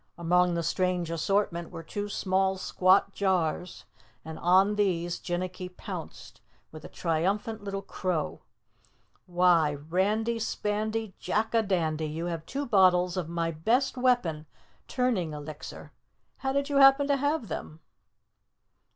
Among the strange assortment were two small squat jars and on these Jinnicky pounced with a triumphant little crow. "Why, Randy Spandy Jack a Dandy, you have two bottles of my best weapon turning elixir! How did you happen to have them?"